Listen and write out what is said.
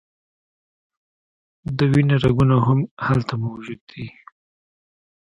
د وینې رګونه هم هلته موجود دي.